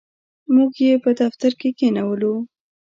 موږ یې په دفتر کې کښېنولو.